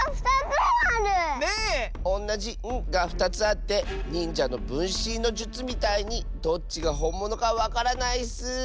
おんなじ「ん」が２つあってにんじゃのぶんしんのじゅつみたいにどっちがほんものかわからないッス！